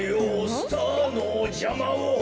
スターのじゃまを」